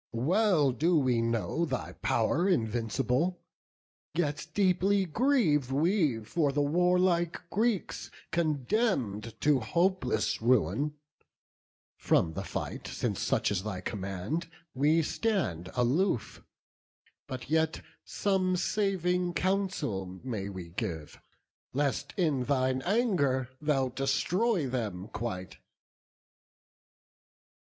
Well do we know thy pow'r invincible, Yet deeply grieve we for the warlike Greeks, Condemn'd to hopeless ruin: from the fight, Since such is thy command, we stand aloof; But yet some saving counsel may we give, Lest in thine anger thou destroy them quite."